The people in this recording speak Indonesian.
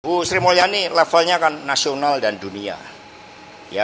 bu sri mulyani levelnya kan nasional dan dunia